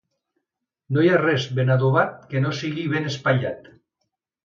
No hi ha res ben adobat que no sigui ben espatllat.